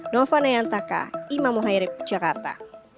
nova nayantaka imam muhairib jakarta